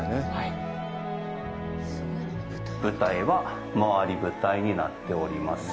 舞台は回り舞台になっておりますし。